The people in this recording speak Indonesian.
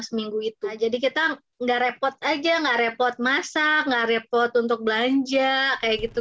seminggu itu jadi kita enggak repot aja enggak repot masa enggak repot untuk belanja kayak gitu